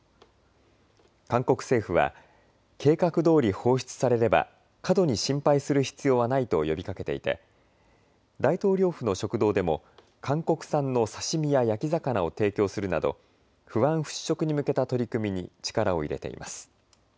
韓国政府は計画どおり放出されれば過度に心配する必要はないと呼びかけていて大統領府の食堂でも韓国産の刺身や焼き魚を提供するなど不安払拭に向けた取り組みに力を入れています。